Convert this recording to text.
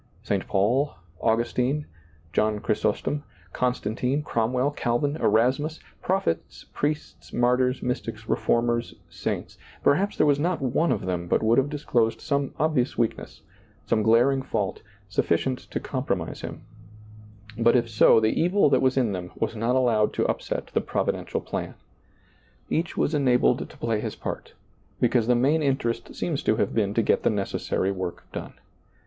St Paul, Augustine, John Chrysostom, Constantine, Cromwell, Calvin, Erasmus, prophets, priests, mar tyrs, mystics, reformers, saints — perhaps there was not one of them but would have disclosed some obvious weakness, some glaring fault, sufficient to compromise him ; but, if so, the evil that was in them was not allowed to upset the Providential ^lailizccbvGoOgle 40 SEEING DARKLY plan. Each was enabled to play his part, because the main interest seems to have been to get the necessary work done.